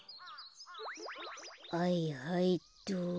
はいはいっと。